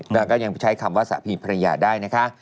แล้วก็ยังใช้คำว่าสามีภรรยาได้นะคะ